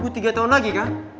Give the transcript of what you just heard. tiga tahun lagi kan